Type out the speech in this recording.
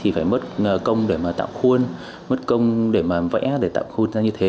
thì phải mất công để mà tạo khuôn mất công để mà vẽ để tạo khuôn ra như thế